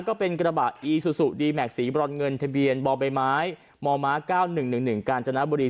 ก็เป็นกระบะอีซูซูดีแม็กซีบรอดเงินทะเบียนบอบใบไม้มม้าเก้าหนึ่งหนึ่งหนึ่งกาญจนบุรี